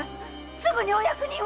すぐにお役人を！